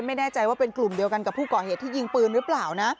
ไม่แน่ใจว่าเป็นกลุ่มเดียวกันกับผู้ก่อเหตุที่ยิงปืนหรือเปล่านะ